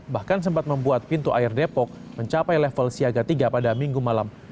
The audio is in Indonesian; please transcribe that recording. bahkan sempat membuat pintu air depok mencapai level siaga tiga pada minggu malam